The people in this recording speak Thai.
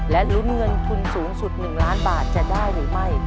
และลุ้นเงินทุนสูงสุด๑ล้านบาทจะได้หรือไม่